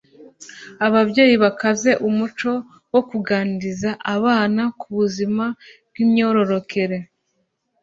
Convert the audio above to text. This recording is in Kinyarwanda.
ababyeyi bakaze umuco wo kuganiriza abana kubuzima bw' imyororokere